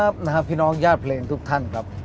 สวัสดีครับพี่น้องญาติเพลงทุกท่านครับ